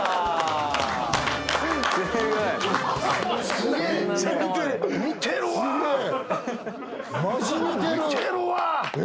すげえ。